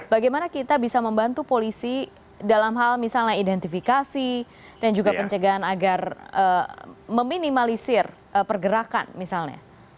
bagaimana kita bisa membantu polisi dalam hal misalnya identifikasi dan juga pencegahan agar meminimalisir pergerakan misalnya